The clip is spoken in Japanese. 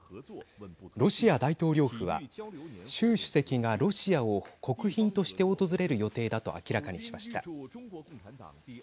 ロシア大統領府は習主席がロシアを国賓として訪れる予定だと明らかにしました。